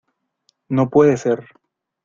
no puede ser.